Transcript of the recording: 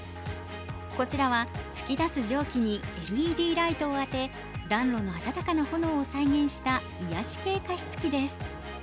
こちらは、吹き出す蒸気にＬＥＤライトを当て暖炉の暖かな炎を再現した癒やし系加湿器です。